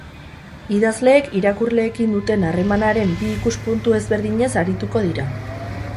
Idazleek irakurleekin duten harremanaren bi ikuspuntu ezberdinez arituko dira.